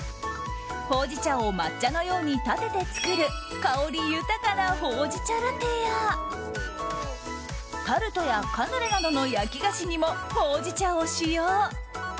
ほうじ茶を抹茶のように立てて作る香り豊かなほうじ茶ラテやタルトやカヌレなどの焼き菓子にもほうじ茶を使用。